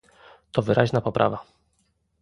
To wyraźna poprawa